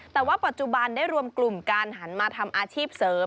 แต่ว่าปัจจุบันได้รวมกลุ่มการหันมาทำอาชีพเสริม